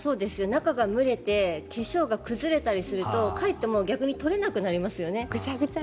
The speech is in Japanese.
中が蒸れて化粧が崩れたりするとかえって逆に取れなくなりますよね。